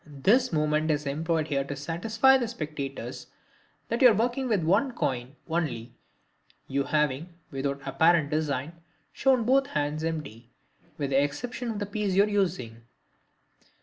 This movement is employed here to satisfy the spectators that you are working with one coin only, you having, without apparent design, shown both hands empty, with the exception of the piece you are using.